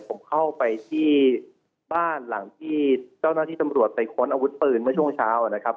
ผมเข้าไปที่บ้านหลังที่เจ้าหน้าที่ตำรวจไปค้นอาวุธปืนเมื่อช่วงเช้านะครับ